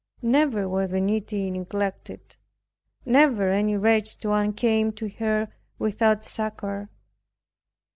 Never were the needy neglected. Never any wretched one came to her without succor.